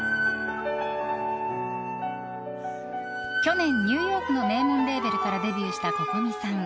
去年、ニューヨークの名門レーベルからデビューしたＣｏｃｏｍｉさん。